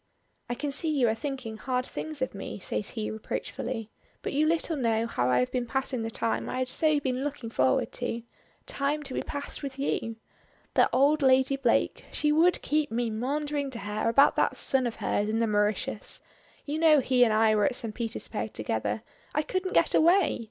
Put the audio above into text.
"I can see you are thinking hard things of me," says he reproachfully; "but you little know how I have been passing the time I had so been looking forward to. Time to be passed with you. That old Lady Blake she would keep me maundering to her about that son of hers in the Mauritius; you know he and I were at St. Petersburg together. I couldn't get away.